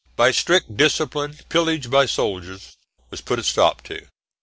By strict discipline pillage by soldiers was put a stop to (Fig.